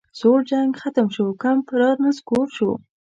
سوړ جنګ ختم شو کمپ رانسکور شو